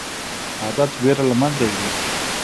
عادت ویره له منځه وړي.